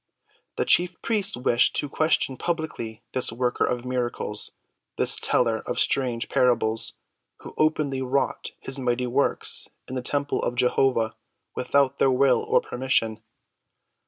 The chief priests wished to question publicly this worker of miracles—this teller of strange parables, who openly wrought his mighty works in the temple of Jehovah without their will or permission.